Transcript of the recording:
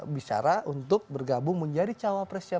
bicara untuk bergabung menjadi calon presiden